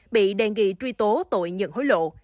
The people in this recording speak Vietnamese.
bị đề nghị truy tố tội nhận hối lộ